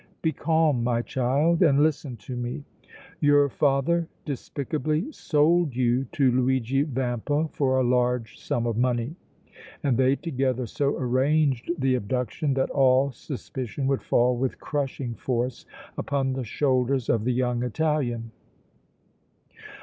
"Be calm, my child, and listen to me. Your father despicably sold you to Luigi Vampa for a large sum of money and they together so arranged the abduction that all suspicion would fall with crushing force upon the shoulders of the young Italian!"